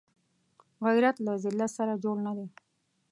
غیرت له ذلت سره جوړ نه دی